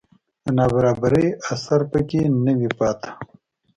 د نابرابرۍ اثر په کې نه وي پاتې